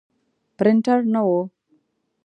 پرنټر نه و.